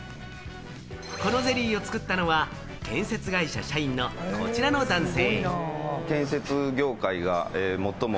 このゼリーを作ったのは、建設会社社員のこちらの男性。